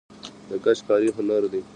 د ګچ کاري هنر دی